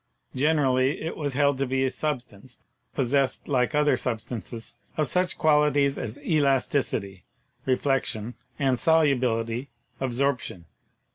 Generally it was held to be a substance, possessed, like other substances, of such qualities as elasticity (reflec tion) and solubility (absorption).